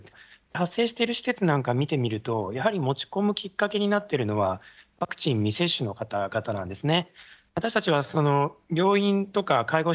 発生してる施設なんか見てみるとやはり持ち込むきっかけになってるのはワクチン未接種の方々なんですね。